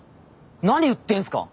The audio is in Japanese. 何言ってんすか！